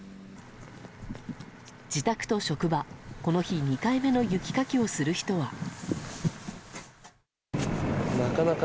自宅と職場、この日２回目の雪かきをする人は。